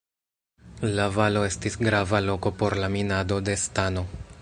La valo estis grava loko por la minado de stano.